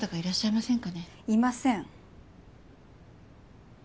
いません。